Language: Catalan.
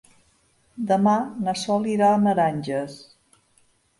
Demà na Sol irà a Meranges.